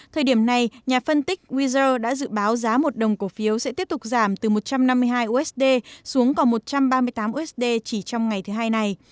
thời điểm này nhà phân tích weezer đã dự báo giá một đồng cổ phiếu sẽ tiếp tục giảm từ một trăm năm mươi hai usd xuống còn một trăm ba mươi tám usd chỉ trong ngày nay